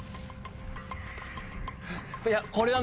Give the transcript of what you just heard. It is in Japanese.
いやこれは。